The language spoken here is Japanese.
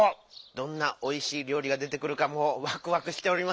どんなおいしいりょうりが出てくるかもうワクワクしております。